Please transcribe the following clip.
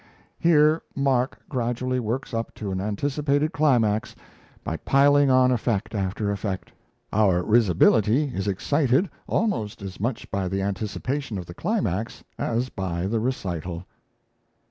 Here Mark gradually works up to an anticipated climax by piling on effect after effect. Our risibility is excited almost as much by the anticipation of the climax as by the recital.